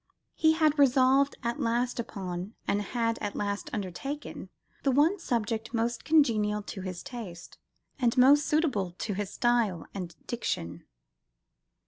He had resolved at last upon, and had at last undertaken, the one subject most congenial to his taste, and most suitable to his style and diction.